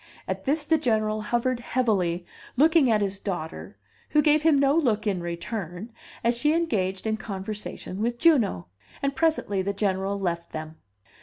At this the General hovered heavily, looking at his daughter, who gave him no look in return, as she engaged in conversation with Juno; and presently the General left them.